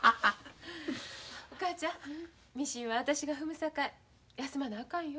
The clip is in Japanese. お母ちゃんミシンは私が踏むさかい休まなあかんよ。